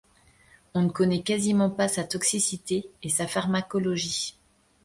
On ne connaît quasiment pas sa toxicité et sa pharmacologie.